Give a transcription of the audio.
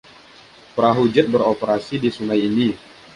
Perahu jet beroperasi di sungai ini.